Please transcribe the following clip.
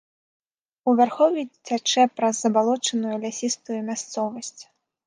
У вярхоўі цячэ праз забалочаную лясістую мясцовасць.